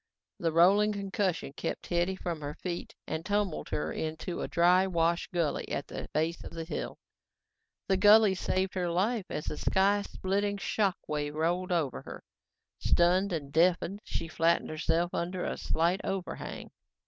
The rolling concussion swept Hetty from her feet and tumbled her into a drywash gully at the base of the hill. The gully saved her life as the sky splitting shock wave rolled over her. Stunned and deafened, she flattened herself under a slight overhang.